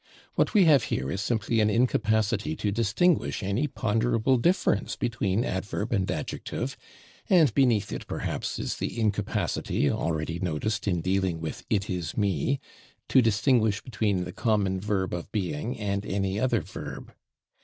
What we have here is simply an incapacity to distinguish any ponderable difference between adverb and adjective, and beneath it, perhaps, is the incapacity, already noticed in dealing with "it is /me/," to distinguish between the common verb of being and any other verb.